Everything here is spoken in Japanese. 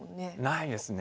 ないですね。